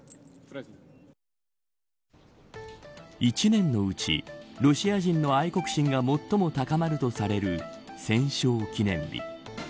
１年のうちロシア口の愛国心が最も高まるとされる戦勝記念日。